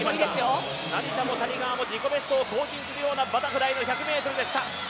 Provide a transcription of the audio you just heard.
成田も谷川も自己ベストを更新するようなバタフライの１００ｍでした